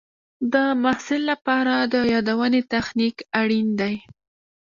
د محصل لپاره د یادونې تخنیک اړین دی.